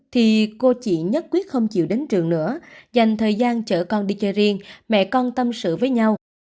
thì cô chị nhất quyết không chịu đến trường nữa dành thời gian chở con đi chơi riêng mẹ con tâm sự với nhau